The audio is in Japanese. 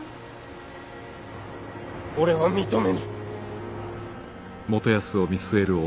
俺は認めぬ。